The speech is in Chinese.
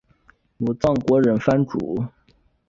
武藏国忍藩主。